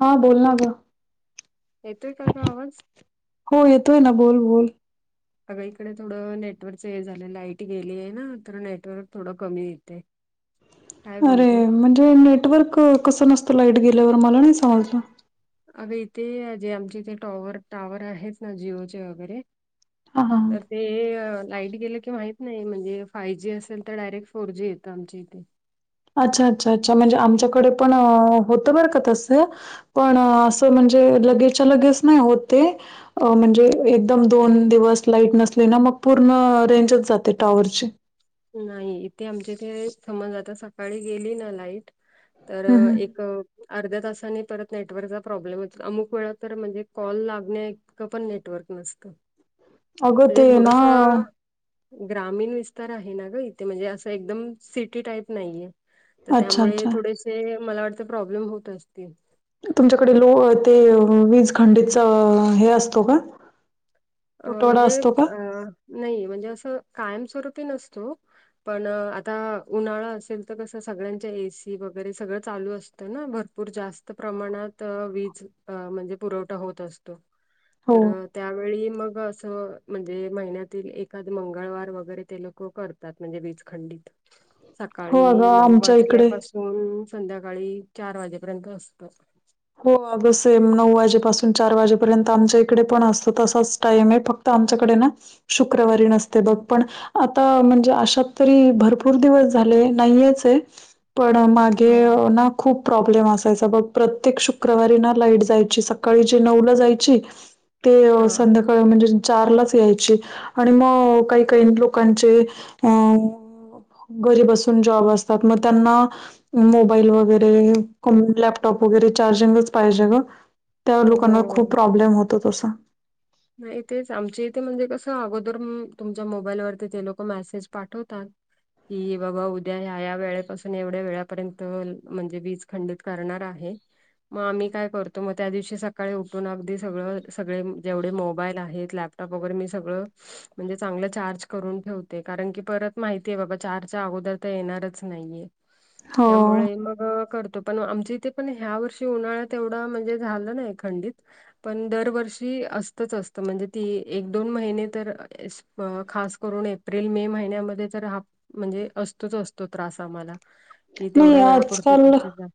हा बोल ना ग येतोय का का आवाज हो येतोय ना बोल बोल अग इकडे थोडं नेटवर्कच हे झालं लाईट गेली आहे ना तर नेटवर्क थोडं कमी येईल अरे म्हणजे नेटवर्क कसं नसतं लाईट गेल्यावर मला नाही समजलं अग इथे जे आमचे इथे टॉवर टॉवर आहेत ना जिओचे वगैरे हा हा ह तर ते लाईट गेलं की माहित नाही म्हणजे फाय जी असेल तर डायरेक्ट फोर जी येतं आमच्या इथे अच्छा अच्छा अच्छा म्हणजे आमच्याकडे पण होतं बर का तसं पण असं म्हणजे लगेचच्या लगेच नाही होते अ म्हणजे एकदम दोन दिवस लाईट नसली ना मग पूर्ण रेंजच जाते टॉवरची नाही इथे आमच्या ते समज आता सकाळी गेली ना लाईट तर हं, हं. एक अर्ध्या तासांनी परत नेटवर्कचा प्रॉब्लेम होतो अमुक वेळा तर म्हणजे कॉल लागणे पण नेटवर्क नसतं अग म्हणजे ते ना थोडंसं ग्रामीण विस्तार आहे ना ग इथे म्हणजे असं एकदम सिटी टाईप नाहीये तर अच्छा त्यामुळे अच्छा थोडेसे मला वाटते प्रॉब्लेम होत असतील तुमच्याकडे लो ते वीज खंडीत हे असतो का अ तुटवडा म्हणजे असतो का अ नाही म्हणजे असं कायमस्वरूप नसतो पण आता उन्हाळा असेल तर कस सगळ्यांच्या एसी वगैरे सगळं चालू असतं ना भरपू भरपूर जास्त प्रमाणात वीज म्हणजे पुरवठा होत असतो हो तर त्यावेळी मग असं म्हणजे महिन्यातील एखाद मंगळवार वगैरे ते लोक करतात म्हणजे वीजखंडीत हो अगं सकाळी नऊ आमच्या इकडे वाजल्यापासून दण संध्याकाळी चार वाजेपर्यंत असतो हो अग सेम नऊ वाजेपासून चार वाजेपर्यंत आमच्या इकडे पण असतो तसाच टाइम आहे फक्त तर आमच्याकडे ना शुक्रवारी नसते बघ पण आता म्हणजे अशात तरी भरपूर दिवस झाले नाहीयेच आहे पण मा हम्म. खूप प्रॉब्लेम असायचा प्र प्र्येक शुक्रवारी ना लाईट जायची सकाळी जे नऊला जायची ते हा संध्याका म्हणजे चारलाच यायची आणि मग काही काही लोकांचे अ घरी बसून जॉब असतात मग त्यांना मोबाईल वगैरे कोण लॅपटॉप वगैरे चार्जिंगच पाहिजे ग त्या लोकांना हो खूप प्रॉब्लेम होतो तसं नाही तेच आमचे इथे म्हणजे कसं अगोदर तुमच्या मोबाईलवरती तेे लोक मेसेज पाठवतात कि बाबा उद्या ह्या या वेळेपासून एवढ्या वेळापर्यंत म्हणजे वीज खंडित करणार आहे मग आम्ही काय करतो मग त्या दिवशी सकाळी उठून अगदी सगळं सगळे जेवढ मोबाईल आहेत लॅपटॉप वगैरे मी सगळं म्हणजे चांगलं चार्ज करून ठेवते कारण की परत माहितीय बाबा चार्जच्या अगोदर तर येणारच नाहीय हो. त्यामुळे मग करतो पण आमच्या इथे पण ह्या वर्षी उन्हाळ्यात तेवढा म्हणजे झालं नाही खंडित पण दरवर्षी असतच असत म्हणजे ती एक दोन महिने तर अ खास करून एप्रिल मे महिन्यामध्ये जर हा म्हणजे असतोच असतो त्रास आम्हाला कि तेवढ्या नाही वेळापुरती आजकाल तुमचीात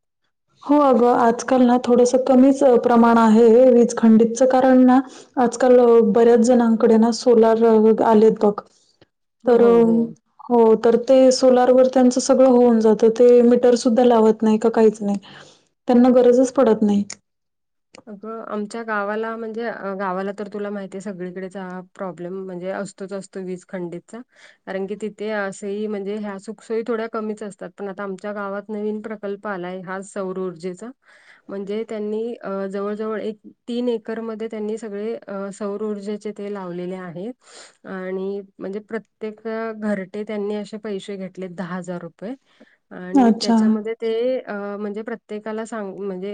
हो अगं आजकाल ना थोडंसं कमीच प्रमाण आहे वीज खंडितचं कारण ना आजकाल बऱ्याच जणांकडे ना सोलार आलेत बघ तर हो हो हो तर ते सोलारवर त्यांचं सगळं होऊन जात तर ते मीटर सुद्धा लावत नाही का काहीच नाही त्यांना गरजच पडत नाही अगं आमच्या गावाला म्हणजे गावाला तर तुला माहितीय सगळीकडेचा प्रॉब्लेम म्हणजे अस असतो वीज खंडीितचा कारण की तिथे असही म्हणजे ह्या सुखसोयी थोड्या कमीच असतात पण आता आमच्या गावात नवीन प्रकार प्रकल्प आलाय हा सौरऊर्जेचा म्हणजे त्यांनी अ जवळजवळ एक तीन एकरमध्येध्ये त्यांनी सगळे अ सौर ऊर्जेचे ते लावलेले आहेत आणि म्हणजे प्रत्येक घरटे त्यांनी असे पैसे घेतले दहा हजार रुपये ह आणि अच्छा. त्याच्यामध्ये ते म्हणजे प्रत्येकाला सांग म्हणजे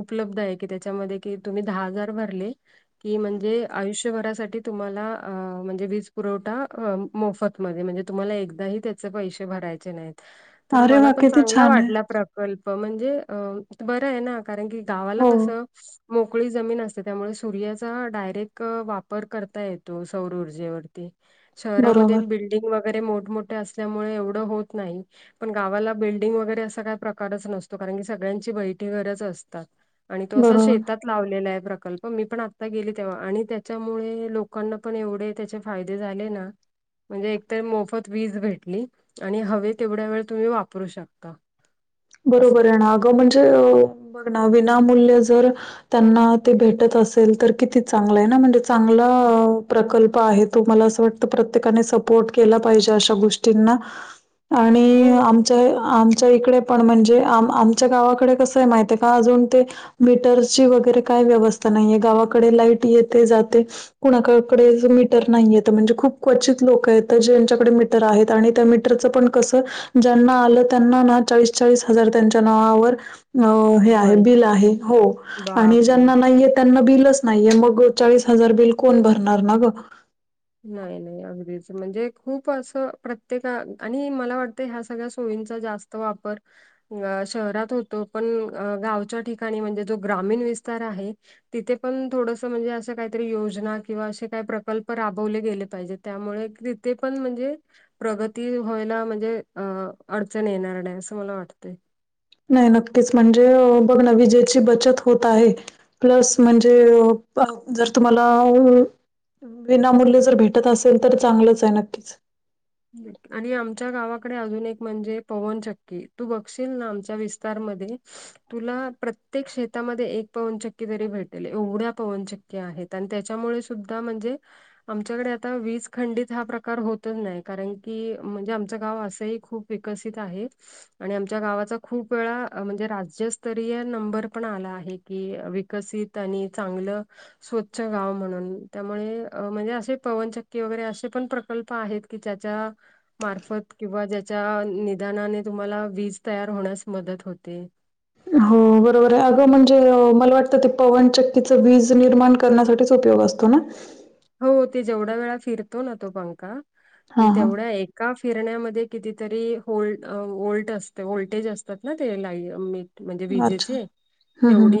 उपलब्ध आहे त्याच्यामध्ये कि तुम्ही दहा हजार भरले कि म्हणजे आयुष्यभरासाठी तुम्हाला म्हणजे वीज पुरवठा मोफत ण तु एक त्या पै भराय नाही तर अरे मला वाह! पण च किती छान आहे. वाट कल्प म्हणजे अ बरं आहे ना कारण की गावाला हो, कसं मोकळी जमीन असते त्यामुळे सूर्याचा डायरेक्ट वापर करता येतो सौर ऊर्जेवरती शहरामध्ये बरोबर, बिल्डिंग वगैरे मोठमोठे असल्यामुळे एवढं होत नाही पण गावाला बिल्डिंग वगैरे असा काही प्रकारच नसतो कारण की सगळ्यांची बैठी घरच असतात. आणि तो असा बरोबर. शेतात. लावलेला आहे प्रकल्प मी पण आता गेली तेव्हा आणि त्याच्यामुळे लोकांना पण एवढे त्याच्या फायदे झाले ना म्हणजे एकत मोफत वीज भेटली. आणि हवे तेवढ्या वेळ तुम्ही वापरू शकता. असं. बरोबर आहे ना अगं म्हणजे. बघ ना विनामूल्य जर त्यांना ते भेटत असेल तर किती चांगलं आहे ना म्हणजे. चांगला प्रकल्प आहेत. तु मला असं वाटतं प्रत्येकाने सपोर्ट केला. पाहिजे अशा गोष्टींना. आणि हो. आमच्या आमच्या इकडे. पण म्हणजे आम आमच्या गावाकडे कसं आहे माहित आहे का? अजून ते. मीटरसची वगैरे काय व्यवस्था नाहीये गावाकडे लाईट येते जाते. कुणाकडे मीटर नाही येत म्हणजे खूप क्वचित लोक आहेत ज्यांच्याकडे क्वचित लोकांकडे मीटर आहे आणि त्या मीटरचाही कसं ज्यांना आलं त्यांना चाळीस हजार त्यांच्या नावावर. अ हे अगं आहे बाई बिल आहे हो आणि बापरे. ज्यांना नाहीयेत. त्यांना बिलच नाहीये मग चाळीस हजार बिल कोण भरणार ना ग. नाही नाही अगदीच म्हणजे खूप असं प्रत्येका आणि मला वाटतं ह्या सगळ्या सोयींचा जास्त त वापर. अ शहरात होतो पण गावच्या ठिकाणी म्हणजे जो ग्रामीण विस्तार आहे. तिथे पण थोडस म्हणजे असं काहीतरी योजना किंवा असे काय प्रकल्प राबवले गेले पाहिजे त्यामुळे तिथे पण म्हणजे प्रगती व्हायला म्हणजे अ अडचण येणार नाही. असं मला वाटतंय. नाही नक्कीच म्हणजे बघ ना विजेची बचत होत आहे. प्लस म्हणजे जर तुम्हाला. विनामूल्य जर भेटत असेल. तर चांगलंच आहे नक्कीच. आणि आमच्या गावाकडे अजून एक म्हणजे पवनचक्की तू बघशील ना आमच्या विस्तारमध्ये तुला प्रत्येक शेतामध्ये एक पवनचक्की तरी भेटेल एवढ्या पवनचक्की आणि त्याच्यामुळे सुद्धा म्हणजे आमच्याकडे आता वीज खंडित हा प्रकार होतच नाही. कारण की म्हणजे आमचं गाव असंही खूप विकसित आहे. आणि आमच्या गावाचा खूप वेळा म्हणजे राज्यस्तरीय नंबर पण आला आहे. कि विकसित आणि चांगलं स्वच्छ गाव म्हणून त्यामुळे म्हणजे असे पवनचक्की वगैरे असे पण प्रकल्प आहेत. कि त्याच्या. मार्फत किंवा ज्याच्या निदानाने तुम्हाला वीज तयार होण्यास मदत होते. हो बरोबर आहे अगं म्हणजे मला वाटतं ते पवनचक्कीचं वीज निर्माण करण्यासाठीच उपयोग असतो. त ना हो ते जेवढ्या वेळा फिरतो ना तो पंखा कि हां, हां. तेवढ्या एक का फिरण्यामध्ये कितीतरी हो व्हल्ट असते व्हल्टेज असतात. ना ते लाई म्हणजे अच्छा. विजेचे हं, हं, हं. तेवढी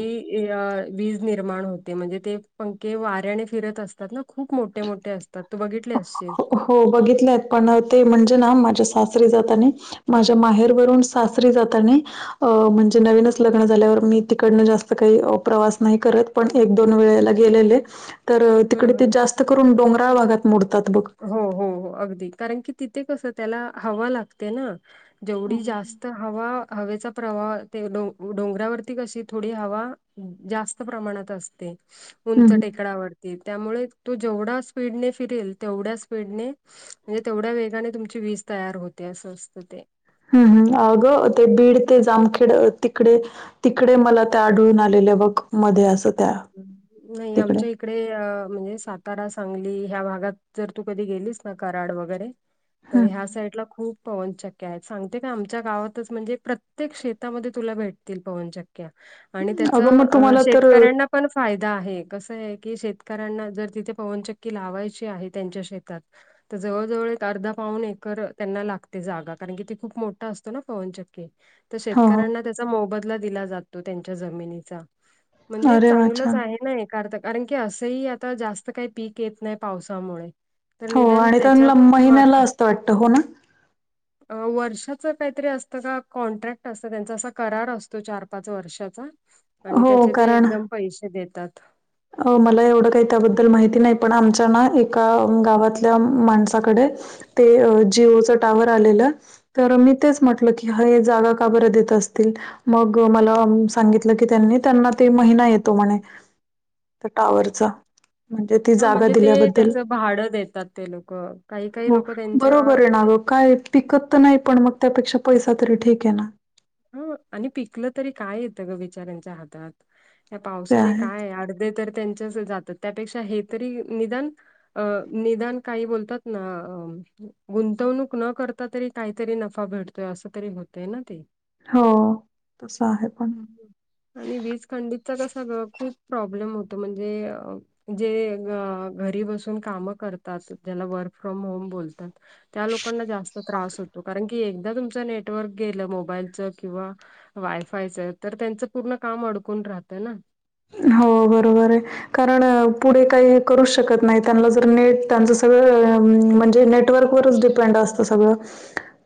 वीज निर्माण होते. म्हणजे ते पंखे वाऱ्याने फिरत असतात. ना खूप मोठे मोठे असतात. तू बघितले असशील हो बघितले आहेत. पण ते म्हणजे ना माझ्या सासरी जाता आणि माझ्या माहेर वरून सासरी जाता आणि अ म्हणजे नवीनच लग्न झाल्यावर मी तिकडनं जास्त काही प्रवास नाही करत. पण एक दोन वेळेला गेलेले तर हम्म तिकडे ते हम्म. जास्त करून डोंगराळ भागात मोडतात बघ. हो हो हो अगदी कारण की तिथे कस त्याला हवा लागते. ना हं, जेवढी हं, जास्त हवा हवेचा प्रवाह ते डो डोंगरावरती कशी थोडी हवा जास्त प्रमाणात असते. उंच हं. टेकडावरती त्यामुळे तो जेवढा स्पीडने फिरेल. तेवढ्या स्पीडने म्हणजे तेवढ्या वेगाने तुमची वीज तयार होते असं असतं. ते हम् हम् अगं ते बीड ते जामखेड तिकडे तिकडे मला त्या आढळून आलेल्या वक मध्ये अस नाही आमच्या इकडे म्हणजे सातारा सांगली ह्या भागात जर तू कधी गेलीस ना कराड वगैरे हं. तर ह्या साइडला खूप पवनचक सांगते का आम गवातच म्हणजे प्रत्येक शेतामध्ये तुला भेटतील पवनशक्ती आणि हं. त्याच अगं मग तुम्हाला श तर ना पण फायदा आहे कस आहे की शेतकऱ्यांना जर तिथे पवनचक्की लावायची आहे त्यांच्या शेतात तर जवळजवळ एक अर्धा पाऊन एकर त्यांना लागते जागा कारण की त खूप मोठा असतो ना पवनचक्के तर हो, हो. शेतकऱ्यांना त्याचा मोबदला दिला जातो त्यांच्या जमिनीचा म्हणजे अरे वाह! चांगलंच छान. आहे ना ए अथ कारण की असंही आता जास्त काही पीक येत नाही पावसामुळे तर हो निदान आणि त्याच्यात त्यां मार्फत महिन्याला असतं वाटत हो ना वर्षाच काहीतरी असतं का कॉन्ट्रॅक्ट असतं त्यांचा असा करार असतो चार पाच वर्षाचा आणि हो, त्याचे ते कारण एकदम पैसे देतात अ मला एवढं काही त्याबद्दल माहिती नाही पण आमच्या ना एका गावातल्या माणसाकडे ते जिओचं टावर आलेलं तर मी तेच म्हटलं की हा जागा का ब देत असतील मग मला सांगितलं की त्यांनी त्यांना ते महिना येतो म्हणे तर टाॉवरचा हा म्हणजे ते त्याच भाडं देतात ते लोक काही काही हो, लोक त्यांच्या बरोबर आहे ना गं. काय पिकत तर नाही पण मग त्यापेक्षा पैसा तरी ठीक आहे ना हो आणि पिकलं तरी काय येतं ग बिचऱ्यांच्या हातात या ते पावसाने आहे. काय अर्धे तर त्यांच्याच जातात त्यापेक्षा हे तरी निदान अ निदान काही बोलतात ना गुंतवणूक न करता तरी काहीतरी नफा भेटतो असं तरी होतय ना ती हो तस आहे पण. आणि वीज खंडीचा कस खूप प्रॉब्लेम होतो म्हणजे जे घरी बसून काम करतात ज्याला वर्क फ्रॉम होम बोलतात त्या लोकांना त्र होत कारण क तुम नेटवर्क गे किंवा वायफायच तर त्यांच पूर्ण काम अडकून राहतं ना हो बरोबर आहे कारण पुढे काही करूच शकत नाही त्यांना जर नेट त्यांच सगळं म्हणजे नेट नेटवर् ववरच डिपेंड असतं सगळं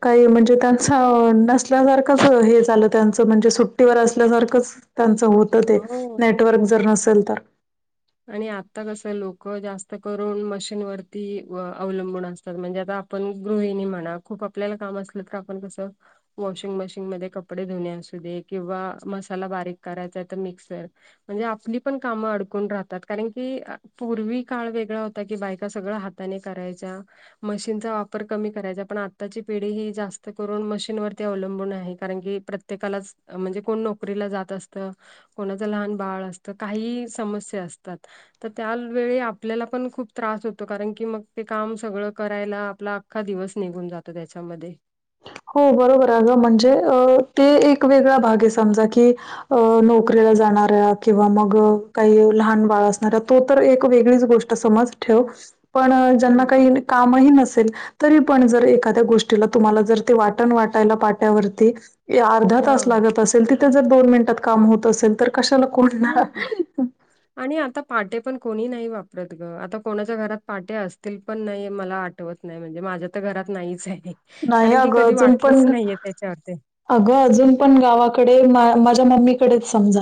काही म्हणजे त्यांच नसल्यासारखंच हे झालं त्यांचं म्हणजे सुट्टीवर असल्यासारखंच त्यांच होत ते हो नेटवर्क जर नसेल तर आणि आता कस लोक जास्त करून मशीन वरती अवलंबून असतात म्हणजे आता आपण गृहिणी म्हणा खूप आपल्याला काम असलं तर आपण कसं वॉशिंग मशीन मध्ये कपडे धुणे असू दे किंवा मसाला बारीक करायचा तर मिक्सर म्हणजे आपली पण कामं अडकून राहतात कारण की पूर्वी काळ वेगळा होता की बायका सगळ हाताने करायच्या मशीनचा वापर कमी करायचा पण आताची पिढी ही जास्त करून मशीनवरती अवलंबून आहे कारण की प्रत्ये ्येकाला म्हणजे कोण नोकरीला जात असतं कोणाचं लहान बाळ असत काही समस्या असतात तर त्यावेेळी आपल्याला पण खूप त्रास होतो कारण की मग ते काम सगळं करायला आपला का दिवस निघून जातो त्याच्यामध्ये हो बरोबर अ गं म्हणजे अ ते एक वेगळा भाग आहे समजा की अ नोकरीला जाणाऱ्या किंवा मग काही लहान बाळ असणाऱ्या तो तर एक वेगळीच गोष्ट समज ठेव पण हं. त्यांना काही कामही नसेल तरी पण एखाद्या गोष्टीला तुम्हाला जर ते वाटण वाटायला पाट्यावरती अर्धा तास हो. लागतं असेल तर जर दोन मिनिटात काम होत असेल तर कशाला कोण हां. आणि आता पाटे पण कोणी नाही वापरत ग आता कोणाच्या घरात पाटे असतं असतील पण नाही मला आठवत नाही म्हणजे माझ्या तर घरात नाहीच आहे. नाही कारण की अगं, कधी अजून पण वाटलंच नाहीये त्याच्यावर अगं अजून पण गावाकडे माझ्या मम्मीकडेच समजा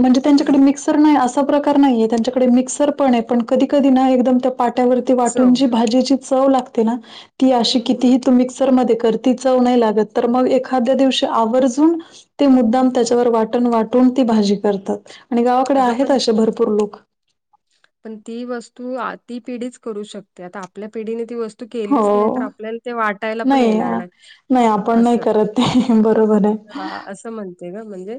म्हणजे हां. त्यांच्याकडे मिक्स नाही असा प्रकार नाहीय त्यांच्याकडे मिक्सर पण आहे पण कधी कधी ना एकदम पाट्यावरती वाटून चव. जी भाजीची चव लागते ना ती अशी हं. कितीही मिक्सर मध्ये कर ती चव नाही लागतं तर मग एखाद्या दिवशी आवर्जून ते मुद्दाम त्याच्यावर वाटण वाटून ती भाजी करतात आणि गावाकडे अगं आहेत पण असे भरपूर लोक पण ती वस्तू ती पिढीच करू शकते आता आपल्या पिढीने ती वस्तू तू केलीच नाही हो. तर आपल्याला ते वाटायला पण नाही येणार आ, नाही आपण नाही असं करत ते बरोबर आहे. हा असं म्हणते ग म्हणजे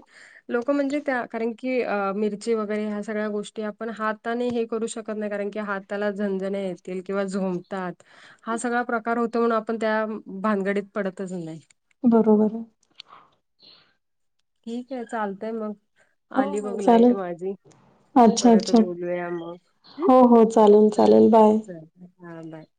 लोक म्हणजे त्या कारण की मिरची वगैरे ह्या सगळ्या गोष्टी आपण हाताने हे करू शकत नाही कारण की हाताला झंजण्या येतील किंवा झोमतात हा सगळा प्रकार होतो म्हणून आपण त्या भानगडीत पडतच नाही. बरोबर आहे. ठीक आहे चालतंय मग हो, आली बघ हो, लाईट चालेल. माझी अच्छा परत अच्छा बोलूया मग. हो हो चालेल चालेल बाय हा बाय